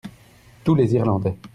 Tous les Irlandais.